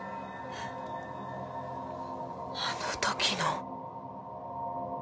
あの時の！？